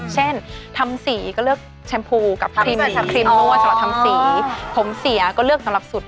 เช่นทำสีก็เลือกแชมพูกับครีมนั่ว